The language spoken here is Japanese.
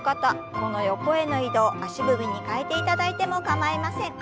この横への移動足踏みに変えていただいても構いません。